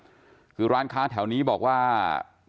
จนกระทั่งหลานชายที่ชื่อสิทธิชัยมั่นคงอายุ๒๙เนี่ยรู้ว่าแม่กลับบ้าน